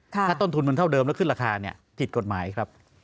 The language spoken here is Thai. ถ้าต้นทุนมันเท่าเดิมแล้วขึ้นราคาเนี่ยผิดกฎหมายครับ